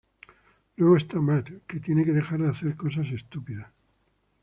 Luego está Matt, que tiene que dejar de hacer cosas estúpidas".